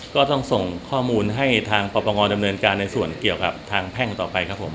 ก็ต้องส่งข้อมูลให้ทางปปงดำเนินการในส่วนเกี่ยวกับทางแพ่งต่อไปครับผม